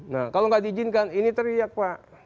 nah kalau nggak diizinkan ini teriak pak